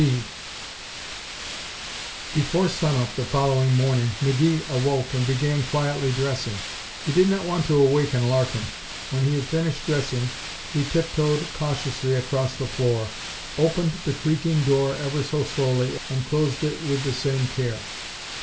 2 Before sunup the following morning McGee awoke and began quietly dressing. He did not want to awaken Larkin. When he had finished dressing he tiptoed cautiously across the floor, opened the creaking door ever so slowly and closed it with the same care.